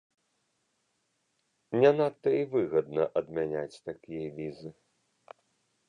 Не надта і выгадна адмяняць такія візы.